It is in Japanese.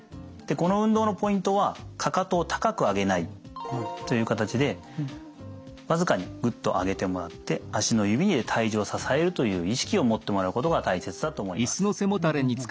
この運動のポイントはかかとを高く上げない。という形で僅かにグッと上げてもらって足の指で体重を支えるという意識を持ってもらうことが大切だと思います。